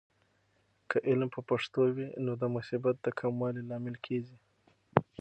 که علم په پښتو وي، نو د مصیبت د کموالي لامل کیږي.